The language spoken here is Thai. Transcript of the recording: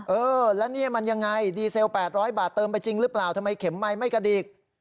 เออแล้วนี่มันยังไงดีเซล๘๐๐บาทเติมไปจริงหรือเปล่าทำไมเข็มไมค์ไม่กระดิก